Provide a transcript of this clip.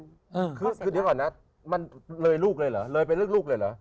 คือเดี๋ยวก่อนนะมันเลยลูกเลยเหรอเลยเป็นเรื่องลูกเลยเหรอ